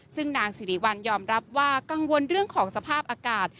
ซึ่งนางสิริวัลยอมรับว่ากังวลเรื่องของสภาพอากาศ